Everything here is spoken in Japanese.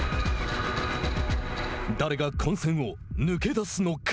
誰が混戦を抜け出すのか。